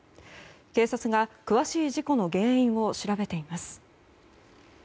警察が詳しい事故の原因を調べています。